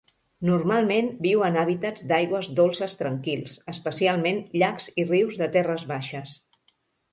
Normalment viu en hàbitats d'aigües dolces tranquils, especialment llacs i rius de terres baixes